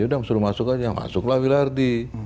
ya sudah suruh masuk aja masuklah wilhardi